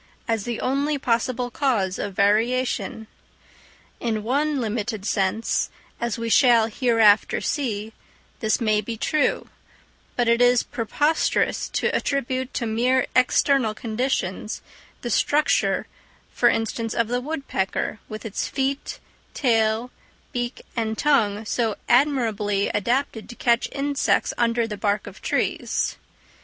as the only possible cause of variation. In one limited sense, as we shall hereafter see, this may be true; but it is preposterous to attribute to mere external conditions, the structure, for instance, of the woodpecker, with its feet, tail, beak, and tongue, so admirably adapted to catch insects under the bark of trees.